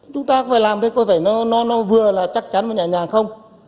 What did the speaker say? chúng ta phải làm thế có vẻ nó vừa là chắc chắn và nhẹ nhàng không